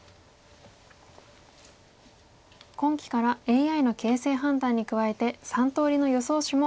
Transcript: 今期からＡＩの形勢判断に加えて３通りの予想手も。